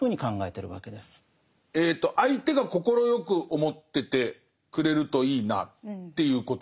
相手が快く思っててくれるといいなっていうことで。